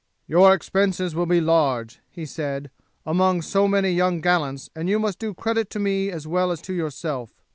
"Your expenses will be large," he said, "among so many young gallants, and you must do credit to me as well as to yourself.